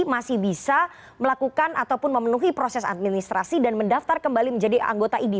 masih bisa melakukan ataupun memenuhi proses administrasi dan mendaftar kembali menjadi anggota idi